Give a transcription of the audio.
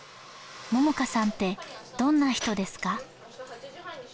萌々花さんってどんな人ですか？